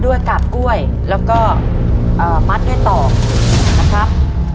ด้วยกาบกล้วยแล้วก็เอ่อมัดได้ต่อนะครับ